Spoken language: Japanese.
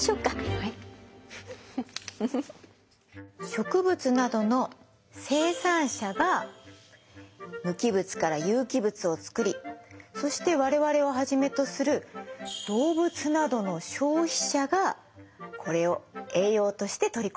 植物などの生産者が無機物から有機物を作りそして我々をはじめとする動物などの消費者がこれを栄養として取り込んでいます。